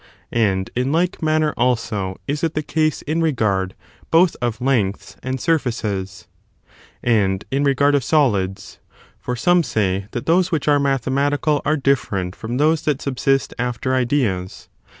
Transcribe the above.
And in like manner, also, is it the case i^^ 9 ^h f regard both of lengths and sur&ces, and in going iiius regard of solids ; for some say that those which Siogyy ma are mathematical are different &om those that thematicai subsist after ideas.